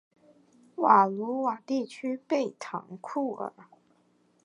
瓦卢瓦地区贝唐库尔。